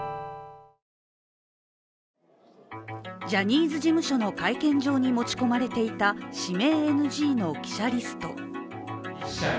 ジャニーズ事務所の会見場に持ち込まれていた指名ＮＧの記者リスト。